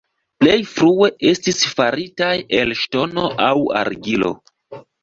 Plej frue estis faritaj el ŝtono aŭ argilo.